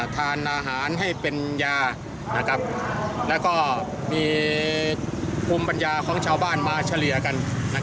ทานอาหารให้เป็นยาแล้วก็มีภูมิปัญญาของชาวบ้านมาเฉลี่ยกัน